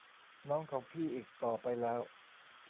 น้องของพี่อีกต่อไปแล้ว